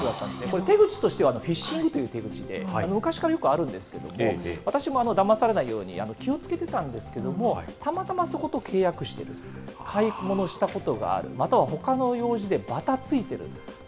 これ、手口としてはフィッシングという手口で、昔からよくあるんですけれども、私もだまされないように気をつけてたんですけれども、たまたまそこと契約している、買い物したことがある、またはほかの用事でばたついている。